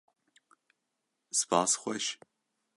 Spas xweş!